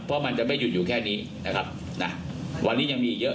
เพราะมันจะไม่หยุดอยู่แค่นี้นะครับนะวันนี้ยังมีอีกเยอะ